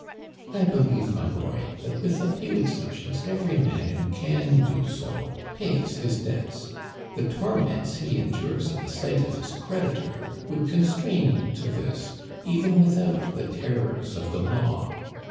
" I believe, my boy, that with a few exceptions every man who can do so pays his debts ; the torments he en dures at the sight of his creditor would constrain him to this, even without the terrors of the law.